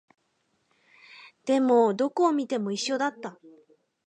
でも、どこを見ても一緒だった